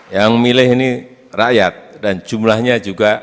yang milih ini rakyat dan jumlahnya juga